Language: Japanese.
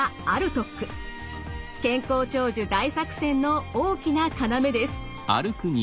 健康長寿大作戦の大きな要です。